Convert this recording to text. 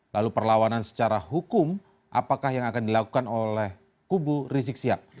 lalu perlawanan secara hukum apakah yang akan dilakukan oleh kubu rizik sihab